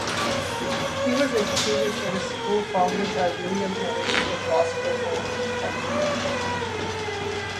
He was educated at a school founded by William Ellis at Gospel Oak, Hampstead.